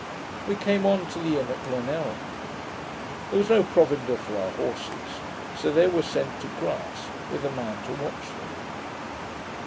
We came on to the inn at Glenelg. There was no provender for our horses: so they were sent to grass, with a man to watch them.